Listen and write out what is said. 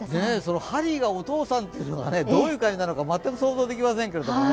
ハリーがお父さんというのがどういう感じなのか全く想像できませんけれどもね。